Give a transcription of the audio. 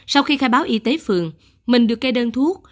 sau khi khai báo y tế phường mình được kê đơn thuốc